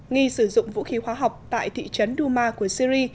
nghi sử dụng vũ khí hoa học tại thị trấn douma của syri